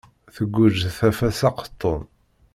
Tegguǧ taffa s aqettun.